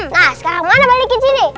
nah sekarang kamu mau balikin sini